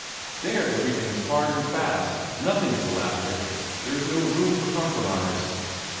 There everything is hard and fast; nothing is elastic; there is no room for compromise."